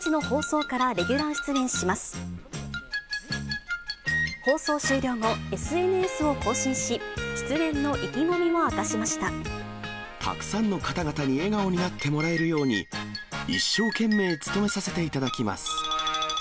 放送終了後、ＳＮＳを更新し、たくさんの方々に笑顔になってもらえるように、一生懸命務めさせていただきます。